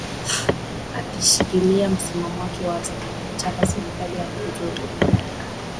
akishikilia msimamo wake wa kutaka serikali ya mpito iondoke madarakani